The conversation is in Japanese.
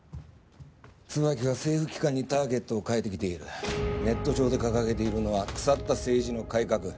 椿は政府機関にターゲットを変えてきているネット上で掲げているのは腐った政治の改革